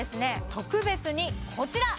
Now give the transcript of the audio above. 特別にこちら！